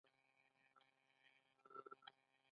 هغه له کټ نه راکوز شو، سیخ ودرید.